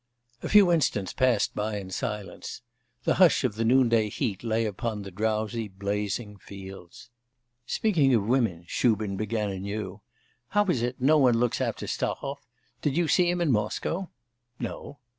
A few instants passed by in silence. The hush of the noonday heat lay upon the drowsy, blazing fields. 'Speaking of women,' Shubin began again, 'how is it no one looks after Stahov? Did you see him in Moscow?' 'No.